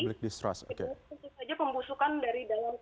ini puncuk saja pembusukan dari dalam kpk